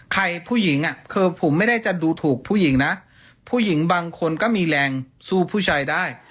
ผู้หญิงอ่ะคือผมไม่ได้จะดูถูกผู้หญิงนะผู้หญิงบางคนก็มีแรงสู้ผู้ชายได้